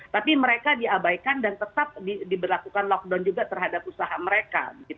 tapi mereka diabaikan dan tetap diberlakukan lockdown juga terhadap usaha mereka